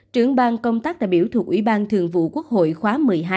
trưởng bang công tác đại biểu thuộc ủy ban thường vụ quốc hội khóa một mươi hai